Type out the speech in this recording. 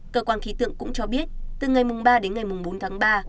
cơ quan khí tượng cũng cho biết từ ngày mùng ba đến ngày mùng bốn tháng ba